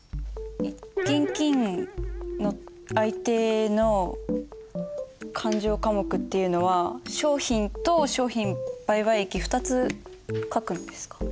現金の相手の勘定科目っていうのは商品と商品売買益２つ書くんですか？